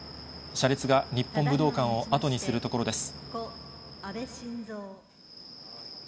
車列が日本武道館を後にするところです。